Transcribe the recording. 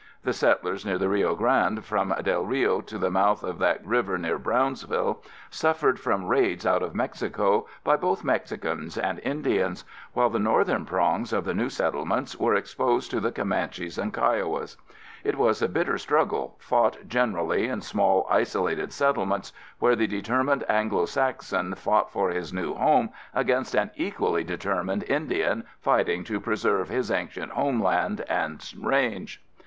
The settlers near the Rio Grande, from Del Rio to the mouth of that river near Brownsville, suffered from raids out of Mexico by both Mexicans and Indians, while the northern prongs of the new settlements were exposed to the Comanches and Kiowas. It was a bitter struggle, fought generally in small isolated settlements where the determined Anglo Saxon fought for his new home against an equally determined Indian fighting to preserve his ancient homeland and range.